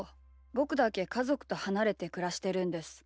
ぼくだけかぞくとはなれてくらしてるんです。